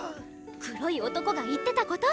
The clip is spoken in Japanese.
黒い男が言ってたこと！